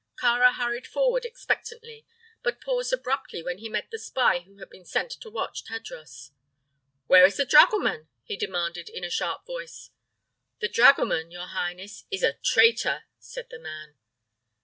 Kāra hurried forward expectantly, but paused abruptly when he met the spy who had been sent to watch Tadros. "Where is the dragoman?" he demanded, in a sharp voice. "The dragoman, your highness, is a traitor," said the man.